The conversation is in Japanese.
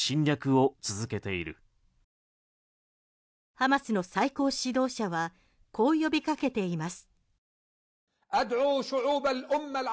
ハマスの最高指導者はこう呼びかけています。